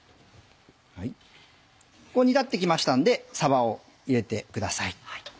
煮立って来ましたんでさばを入れてください。